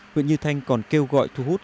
huyện như thanh còn kêu gọi thu hút